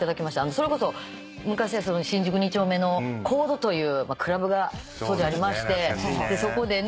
それこそ昔新宿二丁目のコードというクラブが当時ありましてそこでね